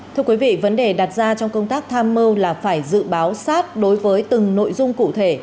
thưa quý vị vấn đề đặt ra trong công tác tham mưu là phải dự báo sát đối với từng nội dung cụ thể